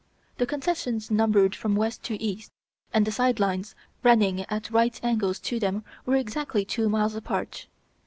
The concessions number from west to east, and the sidelines, running at right angles to them are exactly two miles apart.